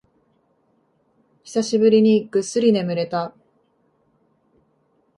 久しぶりにぐっすり眠れた